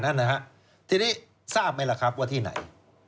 นั่นนะฮะทีนี้ทราบไหมล่ะครับว่าที่ไหน